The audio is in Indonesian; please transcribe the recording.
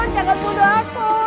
jangan bunuh aku